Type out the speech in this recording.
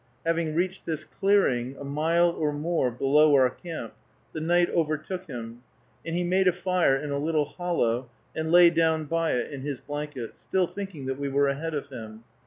Having reached this clearing, a mile or more below our camp, the night overtook him, and he made a fire in a little hollow, and lay down by it in his blanket, still thinking that we were ahead of him.